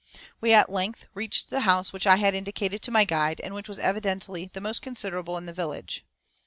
We at length reached the house which I had indicated to my guide, and which was evidently the most considerable in the village.